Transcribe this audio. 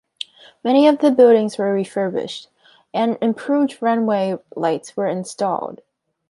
Many of the buildings were refurbished and improved runway lights were installed.